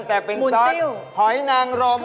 แต่เป็นซอสหอยนางรม